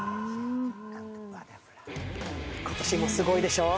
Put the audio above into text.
今年もすごいでしょ？